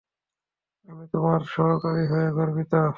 আমি তোমার সহকারী হয়ে গর্বিত।